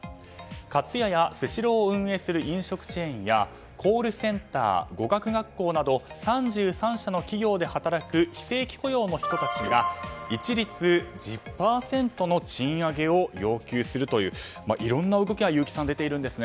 かつややスシローを運営する飲食チェーンやコールセンター、語学学校など３３社の企業で働く非正規雇用の人たちが一律１０％の賃上げを要求するといういろんな動きが優木さん、出ているんですね。